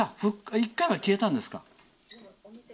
１回は消えたんですか。